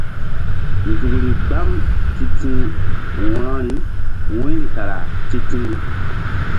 Nzukri mgbam ti̧ti̧h wo̧rori wu̧yri kara ti̧ti̧h.